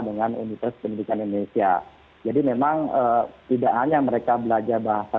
dengan universitas pendidikan indonesia jadi memang tidak hanya mereka belajar bahasa